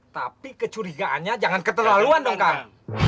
tapi kecurigaannya jangan keterlaluan dong kang